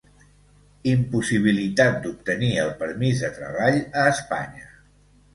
Impossibilitat d'obtenir el permís de treball a Espanya.